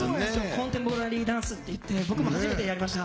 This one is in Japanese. コンテンポラリーダンスっていって、僕も初めてやりました。